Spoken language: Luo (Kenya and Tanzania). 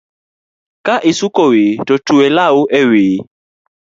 Ka isuko wiyi to twe law ewiyi